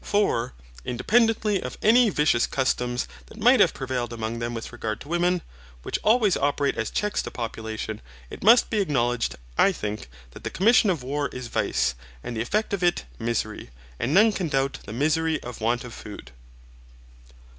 For, independently of any vicious customs that might have prevailed amongst them with regard to women, which always operate as checks to population, it must be acknowledged, I think, that the commission of war is vice, and the effect of it misery, and none can doubt the misery of want of food.